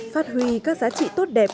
phát huy các giá trị tốt đẹp